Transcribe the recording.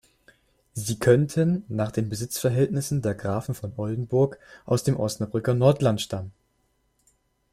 Sie könnten nach den Besitzverhältnissen der Grafen von Oldenburg aus dem Osnabrücker Nordland stammen.